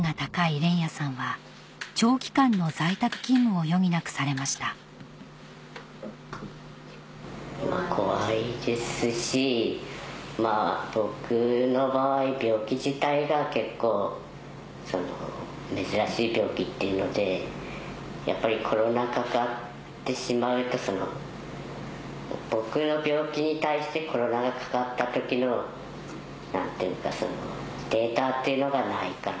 連也さんは長期間の在宅勤務を余儀なくされました怖いですし僕の場合病気自体が結構珍しい病気っていうのでやっぱりコロナかかってしまうと僕の病気に対してコロナがかかった時の何ていうかそのデータっていうのがないから。